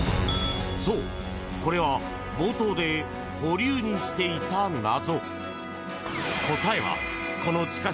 そう、これは冒頭で保留にしていた謎。